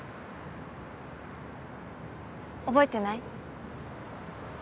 覚えてない？